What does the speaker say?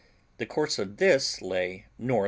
the course of this lay N.W.